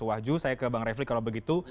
wahju saya ke bang refli kalau begitu